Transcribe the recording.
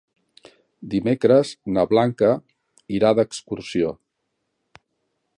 Dimecres na Blanca irà d'excursió.